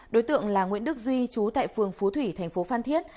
đối tượng là nguyễn đức duy chú tại phường phú thủy thành phố phan thiết